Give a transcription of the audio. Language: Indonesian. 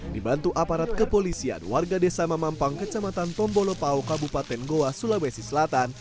dibantu aparat kepolisian warga desa mamampang kecamatan tombolopao kabupaten goa sulawesi selatan